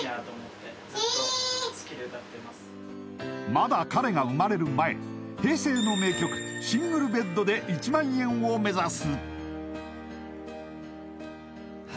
まだ彼が生まれる前平成の名曲「シングルベッド」で１万円を目指す